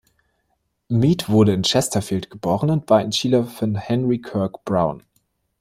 Mead wurde in Chesterfield geboren und war ein Schüler von Henry Kirk Brown.